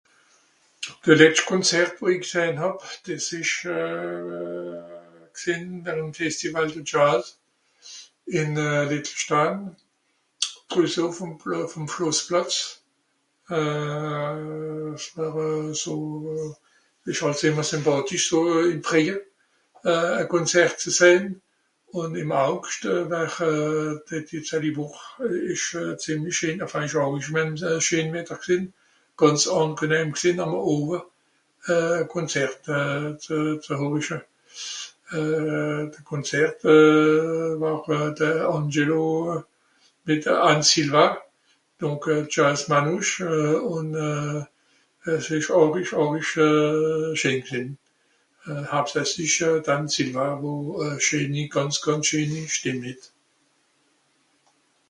De letscht Konzert wo i gsèhn hàb, dìs ìsch euh gsìnn àm Festival de jazz, ìn euh Liechtenstein, drüsse ùff'm Plà... ùff'm Schlossplàtz. Euh, s'war euh so... ìsch àls ìmmer sympàtisch ìm Fréie, e Konzert ze sehn. Ùn ìm Augscht (...) ìsch zìemli schén, enfin ìsch àrisch wärm... schén Wetter gsìnn, gànz àngenehm gsìnn àm e Owe e Konzert ze... ze horiche. Euh... de Konzerte euh war de Angelo mìt de Anne Sylva, donc euh Jazz Manouche euh, ùn euh es ìsch àrisch àrisch euh schén gsìnn. euh Hauptsächlich d'Anne Sylva wo schéni, gànz schéni Stìmm het.